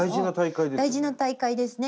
大事な大会ですよね。